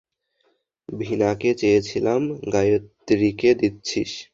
ভীনাকে চেয়েছিলাম, গায়ত্রীকে দিচ্ছিস।